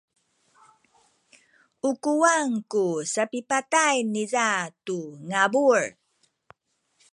u kuwang ku sapipatay niza tu ngabul.